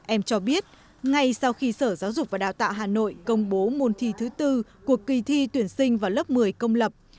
em cho biết ngay sau khi sở giáo dục và đào tạo hà nội công bố môn thi thứ tư của kỳ thi tuyển sinh vào lớp một mươi công lập